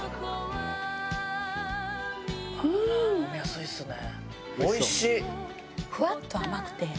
飲みやすいですね。